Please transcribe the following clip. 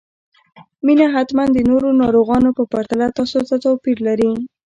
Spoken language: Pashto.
مينه حتماً د نورو ناروغانو په پرتله تاسو ته توپير لري